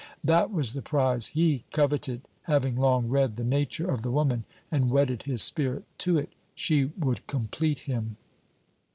That was the prize he coveted, having long read the nature of the woman and wedded his spirit to it. She would complete him.